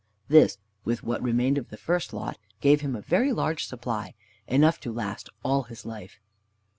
This, with what remained of the first lot, gave him a very large supply, enough to last all his life.